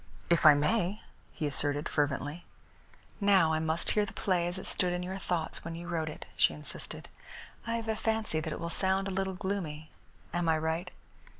"If I may," he assented fervently. "Now I must hear the play as it stood in your thoughts when you wrote it," she insisted. "I have a fancy that it will sound a little gloomy. Am I right?"